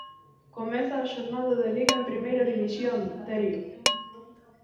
Comeza a xornada de Liga en Primeira División, Terio.